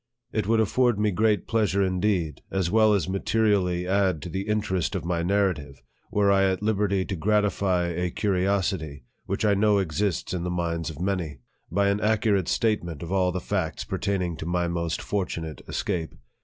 It would afford me great pleasure indeed, as well as ma terially add to the interest of my narrative, were I at liberty to gratify a curiosity, which I know exists in the minds of many, by an accurate statement of all the facts pertaining to my most fortunate escape.